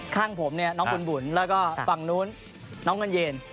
ข้างผมเนี่ยน้องบุญแล้วก็ฝั่งนู้นน้องเงินเย็น